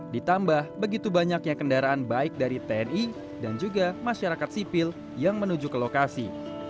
ditambah begitu banyaknya kendaraan baik dari tni dan juga masyarakat sipil yang menuju ke lokasi